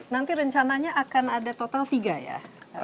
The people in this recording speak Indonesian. nanti rencananya akan ada total tiga ya